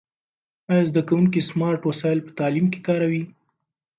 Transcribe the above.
آیا زده کوونکي سمارټ وسایل په تعلیم کې کاروي؟